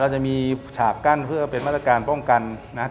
จะมีฉากกั้นเพื่อเป็นมาตรการป้องกันนะครับ